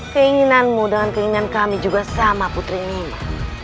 keinginanmu dengan keinginan kami juga sama putri nima